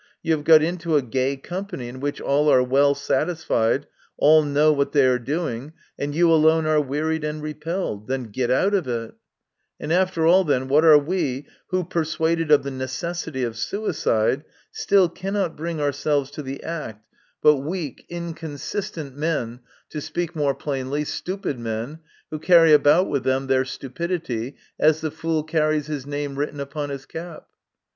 You have got into a gay company, in which all are well satisfied, all know what they are doing, and you alone are wearied and repelled ; then get out of it ! And after all, then, what are we who, persuaded of the necessity of suicide, still cannot bring ourselves to the act, but weak, MY CONFESSION. 75 inconsistent men to speak more plainly, stupid men, who carry about with them their stupidity, as the fool carries his name written upon his cap?